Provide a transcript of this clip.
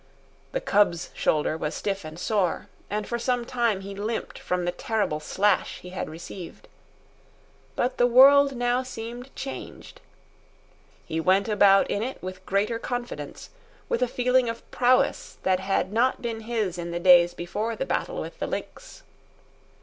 The cub's shoulder was stiff and sore, and for some time he limped from the terrible slash he had received. But the world now seemed changed. He went about in it with greater confidence, with a feeling of prowess that had not been his in the days before the battle with the lynx.